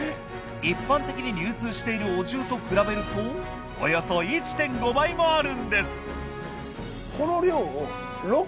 一般的に流通しているお重と比べるとおよそ１．５倍もあるんです。